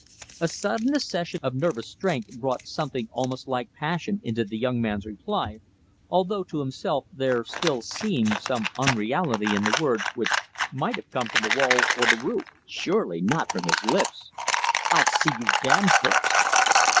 A sudden accession of nervous strength brought something almost like passion into the young man's reply, although to himself there still seemed some unreality in the words which might have come from the walls or the roof surely not from his lips. "I'll see you damned first!"